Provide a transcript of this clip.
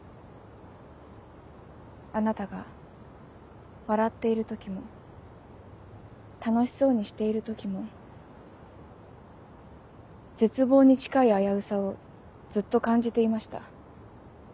あなたが笑っている時も楽しそうにしている時も絶望に近い危うさをずっと感じていました。